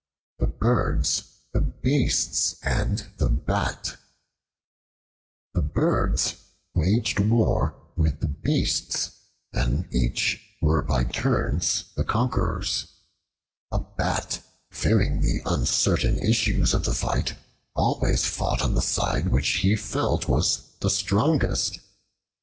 The Birds, the Beasts, and the Bat THE BIRDS waged war with the Beasts, and each were by turns the conquerors. A Bat, fearing the uncertain issues of the fight, always fought on the side which he felt was the strongest.